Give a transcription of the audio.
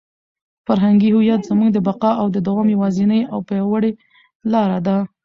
فرهنګي هویت زموږ د بقا او د دوام یوازینۍ او پیاوړې لاره ده.